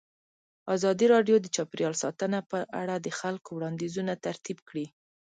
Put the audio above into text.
ازادي راډیو د چاپیریال ساتنه په اړه د خلکو وړاندیزونه ترتیب کړي.